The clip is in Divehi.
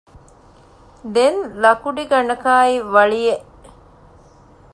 ދެން ލަކުޑިގަނޑަކާއި ވަޅިއެއް